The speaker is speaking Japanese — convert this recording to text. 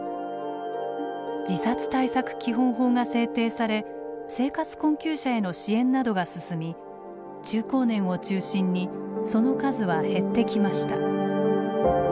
自殺対策基本法が制定され生活困窮者への支援などが進み中高年を中心にその数は減ってきました。